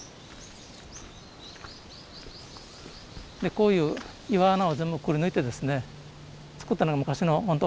こういう岩穴を全部くりぬいてですねつくったのが昔のほんと